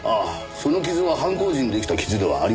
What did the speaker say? その傷は犯行時に出来た傷ではありませんね。